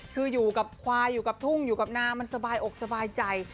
คืออยู่กับควายอยู่กับทุ่งอยู่กับนามันสบายอกสบายใจ